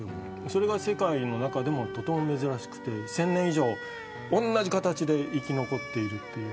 それが世界の中でもとても珍しくて１０００年以上同じ形で生き残っている。